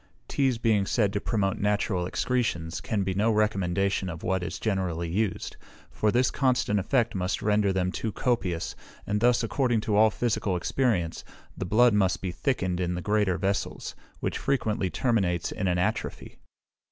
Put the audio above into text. Teas being said to promote natural excretions, can be no recommendation of what is generally used; for this constant effect must render them too copious, and thus, according to all physical experience, the blood must be thickened in the greater vessels, which frequently terminates in an atrophy.